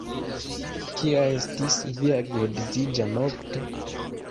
Kia estis via geedziĝa nokto?